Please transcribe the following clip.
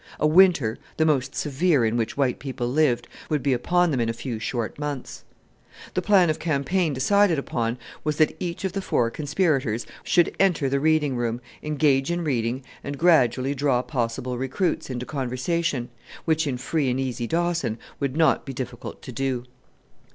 A winter the most severe in which white people lived would be upon them in a few short months. The plan of campaign decided upon was that each of the four conspirators should enter the reading room, engage in reading, and gradually draw possible recruits into conversation which in free and easy Dawson would not be difficult to do.